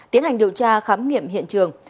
tiến hành điều tra khám nghiệm hiện trường